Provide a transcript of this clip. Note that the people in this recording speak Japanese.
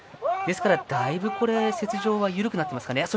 ですからだいぶ、雪上は緩くなっていますね。